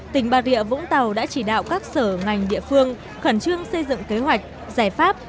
tỉnh bà rịa vũng tàu đã chỉ đạo các sở ngành địa phương khẩn trương xây dựng kế hoạch giải pháp